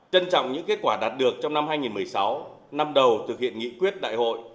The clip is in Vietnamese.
trân trọng những kết quả đạt được trong năm hai nghìn một mươi sáu năm đầu thực hiện nghị quyết đại hội